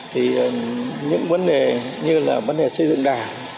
thì những vấn đề như là vấn đề xây dựng đảng